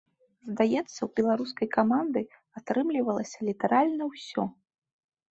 Здаецца, у беларускай каманды атрымлівалася літаральна ўсё.